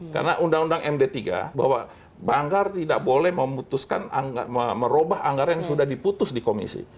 karena undang undang md tiga bahwa banggar tidak boleh memutuskan merubah anggaran yang sudah diputus di komisi